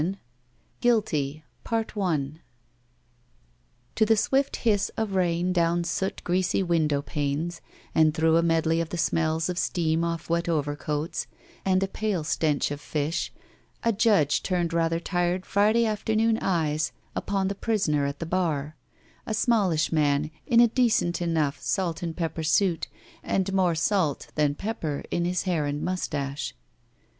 1 GUILTY I GUILTY TO the swift hiss of rain down soot greasy window panes and through a medley of the smells of steam off wet overcoats and a pale stench of fish, a judge turned rather tired Friday afternoon eyes upon the prisoner at the bar, a smallish man in a decent enough salt and pepper suit and more salt than pepper in his hair and mustache.